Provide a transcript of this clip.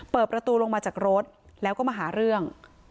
เปิดประตูลงมาจากรถแล้วก็มาหาเรื่อง